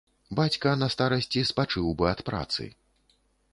Бацька на старасці спачыў бы ад працы.